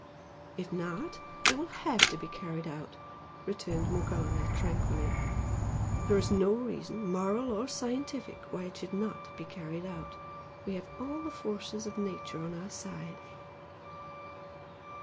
"If not, it will HAVE to be carried out" returned Morgana, tranquilly "There is no reason, moral or scientific, why it should NOT be carried out we have all the forces of Nature on our side."